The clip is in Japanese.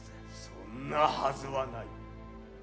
そんなはずはない。